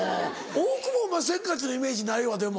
大久保お前せっかちのイメージないわでも。